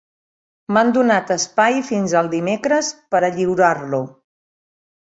M'han donat espai fins al dimecres per a lliurar-lo.